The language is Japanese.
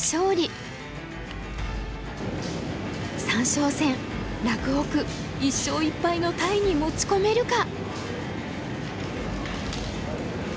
まずは洛北１勝１敗のタイに持ち込めるか。